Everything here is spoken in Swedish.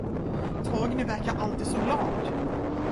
Torgny verkar alltid så glad.